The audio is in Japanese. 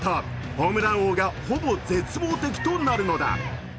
ホームラン王がほぼ絶望的となるのだ。